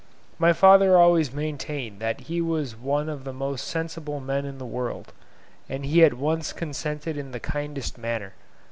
My father always maintained that he was one of the most sensible men in the world, and he at once consented in the kindest manner.